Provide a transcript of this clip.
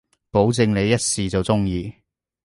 保證你一試就中意